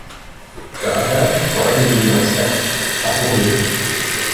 Daher sollten wir diesen Aspekt hervorheben.